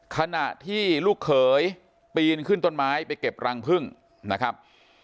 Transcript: ขณะที่ลูกเขยปีนขึ้นต้นไม้ไปเก็บรังพึ่งนะครับ